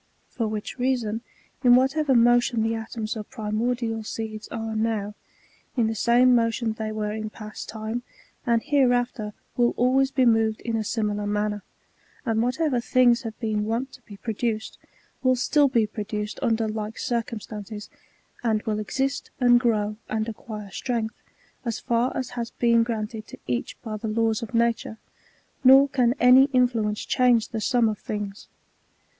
For which reason, in whatever motion the atoms of primordial seeds are now, in the same motion they were in past time, and hereafter will always be moved in a similar manner ; and whatever things have been wont to be produced, will stiU be produced under like circumstances, and will exist, and grow, and acquire strength, as far as has been granted to each by the laws of nature ; nor can any influence change the sum of things.